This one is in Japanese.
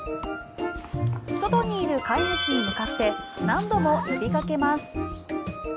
外にいる飼い主に向かって何度も呼びかけます。